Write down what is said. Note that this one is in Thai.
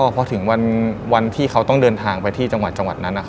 พอถึงวันที่เขาต้องเดินทางไปที่จังหวัดจังหวัดนั้น